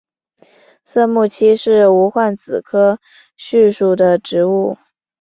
色木槭是无患子科槭属的植物。